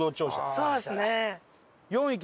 そうですね。